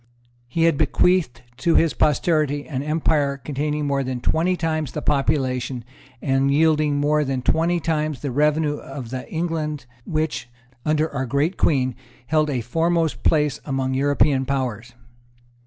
He had bequeathed to his posterity an empire containing more than twenty times the population and yielding more than twenty times the revenue of the England which, under our great Queen, held a foremost place among European powers.